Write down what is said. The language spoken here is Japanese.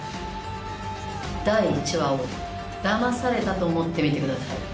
第１話をだまされたと思って見てください。